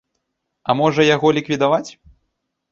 А, можа, яго ліквідаваць.